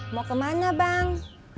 mau kemana bang